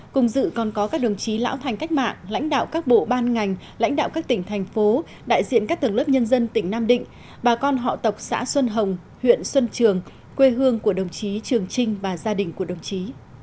cùng dự còn có các đồng chí lão thành cách mạng lãnh đạo các bộ ban ngành lãnh đạo các tỉnh thành phố đại diện các tầng lớp nhân dân tỉnh nam định bà con họ tộc xã xuân hồng huyện xuân trường quê hương của đồng chí trường trinh và gia đình của đồng chí